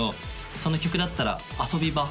その曲だったら「遊び場」